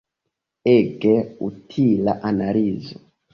Ege utila analizo!